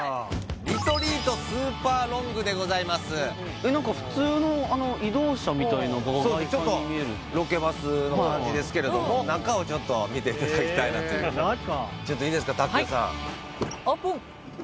リトリートスーパーロングでございますえ何か普通のちょっとロケバスの感じですけれども中をちょっと見ていただきたいなというちょっといいですかタックルさんオープン！